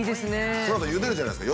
そのあとゆでるじゃないですか。